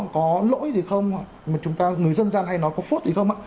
có lỗi gì không người dân gian hay nó có phốt gì không